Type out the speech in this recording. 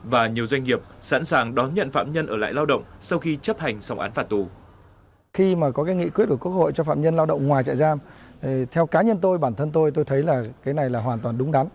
và nhiều doanh nghiệp sẵn sàng đón nhận phạm nhân ở lại lao động sau khi chấp hành xong án phạt tù